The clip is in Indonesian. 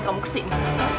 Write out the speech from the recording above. pergi kamu kesini